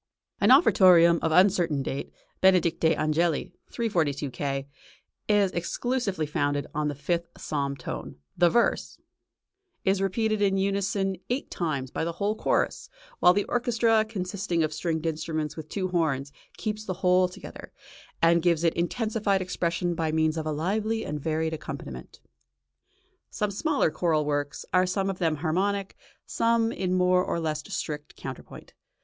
An Offertorium of uncertain date, "Benedicite angeli" (342 K.), is exclusively founded on the fifth psalm tone. The verse [See Page Image] is repeated in unison eight times by the whole chorus, while the orchestra, consisting of stringed instruments with two {CHURCH MUSIC.} (278) horns, keeps the whole together, and gives it intensified expression by means of a lively and varied accompaniment. Some smaller choral works are some of them harmonic, some in more or less strict counterpoint.